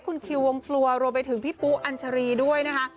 คุณคิววงฟลัวรวมไปถึงพี่ปุ๊อัญชารีด้วยนะคะ